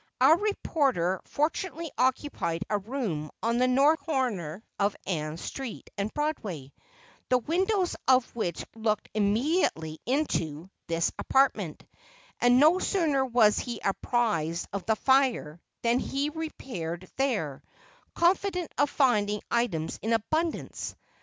Our reporter fortunately occupied a room on the north corner of Ann Street and Broadway, the windows of which looked immediately into this apartment; and no sooner was he apprised of the fire than he repaired there, confident of finding items in abundance.